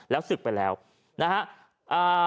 แล้วศึกไปแล้วนะฮะ